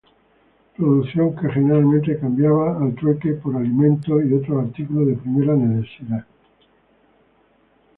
Producción que generalmente cambiaban al trueque por alimentos u otros artículos de primera necesidad.